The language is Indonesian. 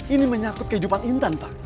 ini menyangkut kehidupan intan pak